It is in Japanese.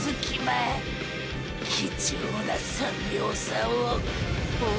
貴重な３秒差をホゥ